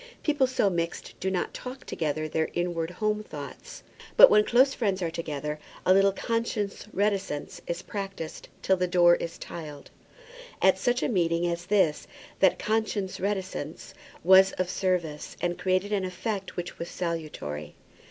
People so mixed do not talk together their inward home thoughts. But when close friends are together, a little conscious reticence is practised till the door is tiled. At such a meeting as this that conscious reticence was of service, and created an effect which was salutary.